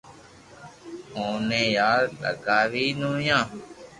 اوئي پار لاگاوئي نويا